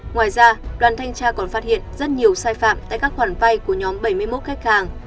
ngoài ra đoàn thanh tra còn phát hiện rất nhiều sai phạm tại các khoản vay của nhóm bảy mươi một khách hàng